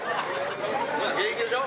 まだ現役でしょ。